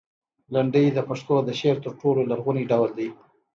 لنډۍ د پښتو د شعر تر ټولو لرغونی ډول دی.